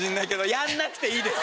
やらなくていいです。